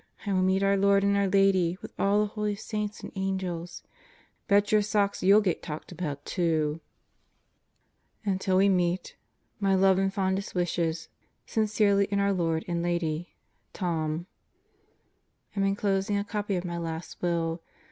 I will meet our Lord and our Lady with all the Holy Saints and Angels. Bet your socks you'll get talked about too. Until we meet My love and fondest wishes, Sincerely in our Lord and Lady, Tom. Am enclosing a copy of my Last Will.